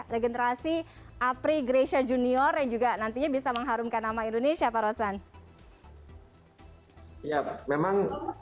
regenerasi apri gresha junior yang juga nantinya bisa mengharumkan nama indonesia parosan memang